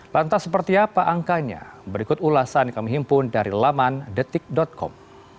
lantas seperti apa angkanya berikut ulasan yang kami himpun dari laman detik com